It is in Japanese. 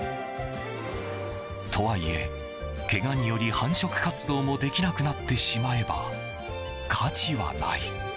とはいえ、けがにより繁殖活動もできなくなってしまえば価値はない。